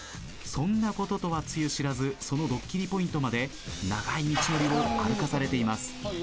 そんなこととはつゆ知らずそのドッキリポイントまで長い道のりを歩かされています。